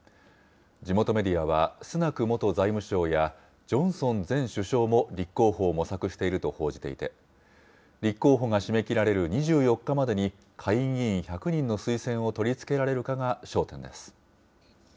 地元メディアは、スナク元財務相やジョンソン前首相も立候補を模索していると報じていて、立候補が締め切られる２４日までに、下院議員１００人の推薦を取り付けられるかが焦点です。